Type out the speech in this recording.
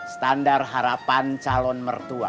standar harapan calon mertua